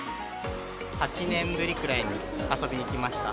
８年ぶりくらいに遊びに来ました。